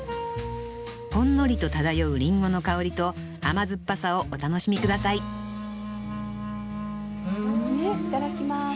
ほんのりと漂う林檎の香りと甘酸っぱさをお楽しみ下さいいただきます。